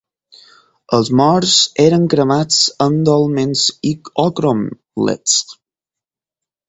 Els morts eren cremats en dòlmens o cromlecs.